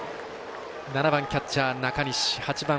７番キャッチャー中西８番